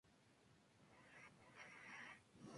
Se ubicada en la localidad de Rafaela, provincia de Santa Fe.